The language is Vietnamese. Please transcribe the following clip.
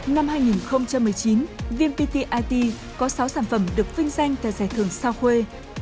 năm hai nghìn một mươi chín vmpt it có sáu sản phẩm được vinh danh tại giải thưởng sao khuê